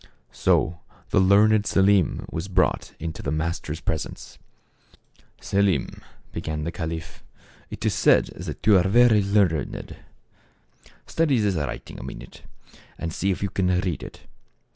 So the learned Selim was brought into the master's presence. " Selim," began the caliph, "it is said that you are very learned ; study this writing a minute, aud see if you can read it.